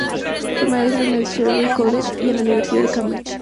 Fue maestro en el Selwyn College y en la Universidad de Cambridge.